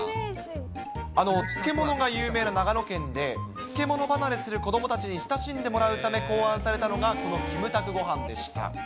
漬物が有名な長野県で、漬物離れする子どもたちに慣れ親しんでもらうため考案されたのがこのキムタクごはんでした。